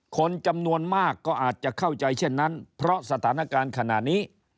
คนจำนวนมากก็อาจจะเข้าใจเช่นนั้นเพราะสถานการณ์ขณะนี้